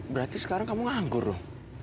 berarti sekarang kamu ngangkur ruh